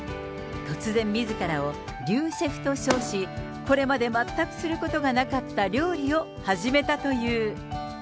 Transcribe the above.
突然みずからを竜シェフと称し、これまで全くすることがなかった料理を始めたという。